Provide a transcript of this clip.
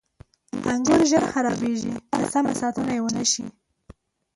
• انګور ژر خرابېږي که سمه ساتنه یې ونه شي.